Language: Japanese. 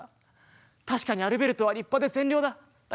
確かにアルベルトは立派で善良だ。